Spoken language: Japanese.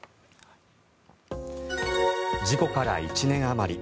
事故から１年あまり。